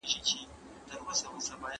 تعصب د ټولنې یووالی زیانمنوي